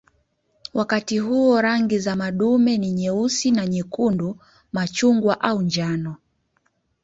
Wakati huo rangi za madume ni nyeusi na nyekundu, machungwa au njano.